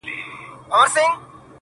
یوه ورځ قسمت راویښ بخت د عطار کړ!!